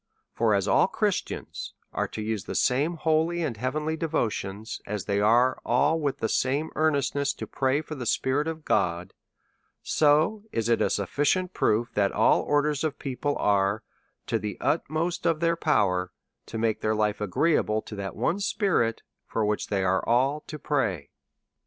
For as all Christians are to use the same holy and heavenly de votion, as they are all, with the same earnestness, to pray for the Spirit of God, so it is a sufficient proof that ail orders of people are, to the utmost of their power, to make their life agreeable to that one spirit, for which they are all to pray.